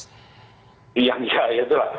iya ya itulah